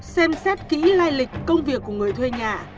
xem xét kỹ lai lịch công việc của người thuê nhà